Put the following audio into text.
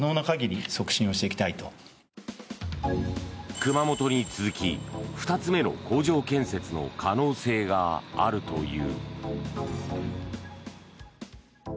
熊本に続き２つ目の工場建設の可能性があるという。